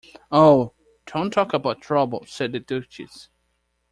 ‘Oh, don’t talk about trouble!’ said the Duchess.